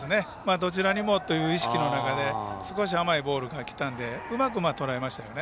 どちらにもという意識の中で少し甘いボールがきたのでうまくとらえましたよね。